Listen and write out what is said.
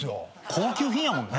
高級品やもんね。